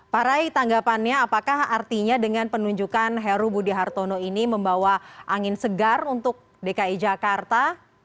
pak rai tanggapannya apakah artinya dengan penunjukan heru budi hartono ini membawa angin segar untuk dki jakarta